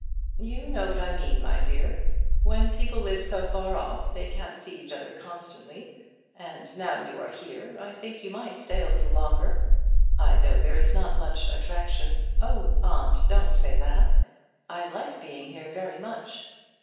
"You know what I mean, my dear. When people live so far off they can't see each other constantly; and now you are here, I think you might stay a little longer. I know there is not much attraction " "Oh, aunt, don't say that! I like being here very much."